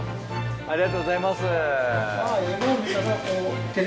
ありがとうございます。